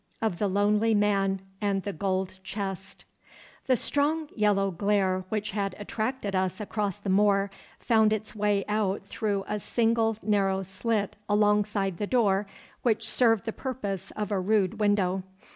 Of the Lonely Man and the Gold Chest The strong yellow glare which had attracted us across the moor found its way out through a single narrow slit alongside the door which served the purpose of a rude window.